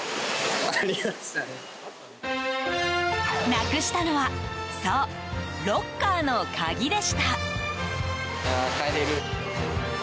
なくしたのはそう、ロッカーの鍵でした。